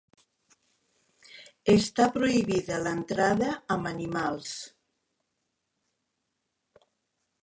Està prohibida l'entrada amb animals.